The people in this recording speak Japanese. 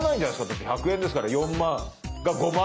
だって１００円ですから４万が５万になるのか。